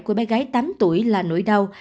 của bé gái tám tuổi là nỗi đau